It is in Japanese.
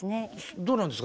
どうなんですか？